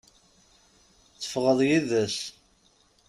Tefɣeḍ yid-s.